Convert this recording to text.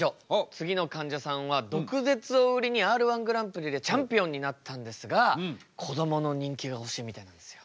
次のかんじゃさんは毒舌を売りにＲー１グランプリでチャンピオンになったんですがこどもの人気が欲しいみたいなんですよ。